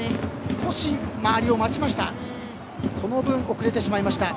少し周りを待ちました。